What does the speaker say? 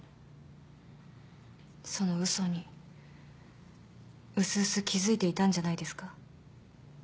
その嘘にうすうす気付いていたんじゃないですか。